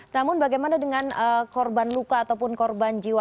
namun bagaimana dengan korban luka ataupun korban jiwa